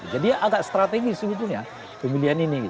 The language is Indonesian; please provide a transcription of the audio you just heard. jadi agak strategis sebetulnya pemilihan ini